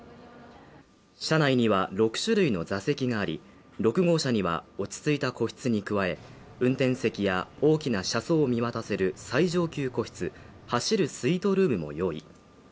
車内には６種類の座席があり、６号車には落ち着いた個室に加え、運転席や大きな車窓を見渡せる最上級個室走るスイートルームも用意。